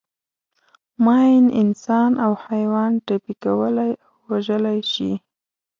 ماین انسان او حیوان ټپي کولای او وژلای شي.